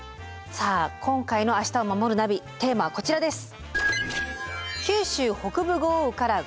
さあ今回の「明日をまもるナビ」テーマはこちらです。